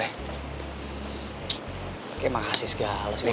oke makasih segala segala masalah